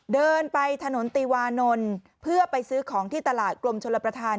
เดินไปถนนติวานนท์เพื่อไปซื้อของที่ตลาดกลมชลประธาน